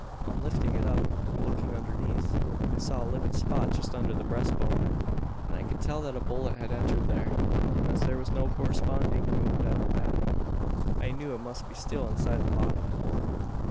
"On lifting it up, and looking underneath, I saw a livid spot just over the breast bone. I could tell that a bullet had entered there; and as there was no corresponding wound at the back, I knew it must be still inside the body."